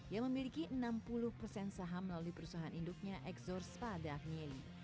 yang memiliki enam puluh persen saham melalui perusahaan induknya exor spada agnelli